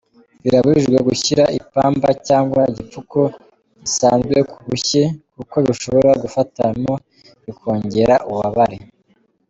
Birabujijwe gushyira ipamba cyangwa igipfuko gisanzwe ku bushye kuko bishobora gufatamo bikongera ububabare.